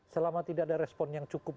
selama tidak ada respon yang cukup